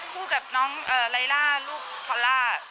ผู้กับน้องไล่ล่าลูกพอล่า